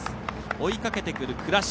追いかけてくる倉敷。